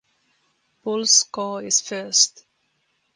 Bulls score is first.